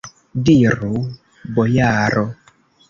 Diru, bojaro!